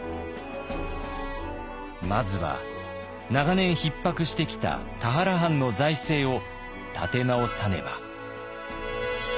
まずは長年ひっ迫してきた田原藩の財政を立て直さねば。